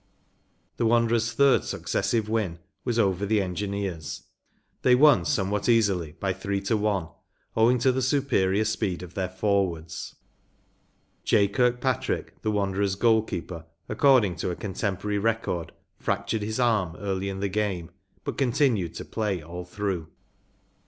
The Wanderers’ third successive win was over the Engineers. They won somewhat easily by three to one, owing to the superior speed of their forwards. J. Kirkpatrick, the Wanderers’ goal keeper, according to a con¬ temporary record, fractured his arm early in the game, but continued to play all through.